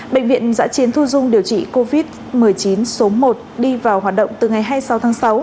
bệnh viện giã chiến thu dung điều trị covid một mươi chín số một đi vào hoạt động từ ngày hai mươi sáu tháng sáu